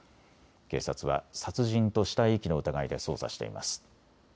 警察は殺人と死体遺棄の疑いで捜査しています。